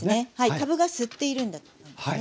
かぶが吸っているんだと思いますね。